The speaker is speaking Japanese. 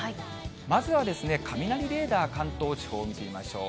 まずは雷レーダー、関東地方、見てみましょう。